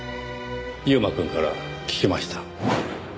優馬くんから聞きました。